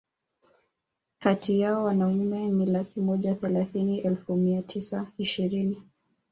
kati yao Wanaume ni laki moja thelathini elfu mia tisa ishirini